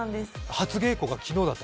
初稽古が昨日だった？